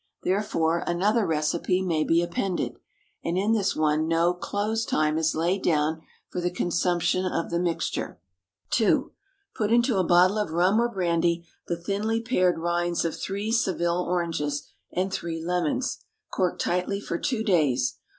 Therefore another recipe may be appended; and in this one no "close time" is laid down for the consumption of the mixture. 2. Put into a bottle of rum or brandy the thinly pared rinds of three Seville oranges, and three lemons. Cork tightly for two days.